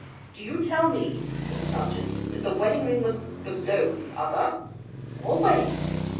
"Do you tell me," said the sergeant, "that the wedding ring was BELOW the other?" "Always!"